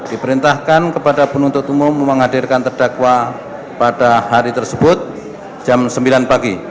diperintahkan kepada penuntut umum menghadirkan terdakwa pada hari tersebut jam sembilan pagi